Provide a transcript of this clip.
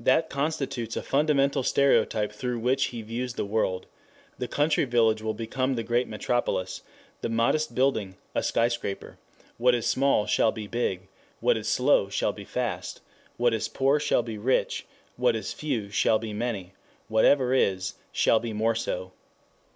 That constitutes a fundamental stereotype through which he views the world: the country village will become the great metropolis, the modest building a skyscraper, what is small shall be big; what is slow shall be fast; what is poor shall be rich; what is few shall be many; whatever is shall be more so.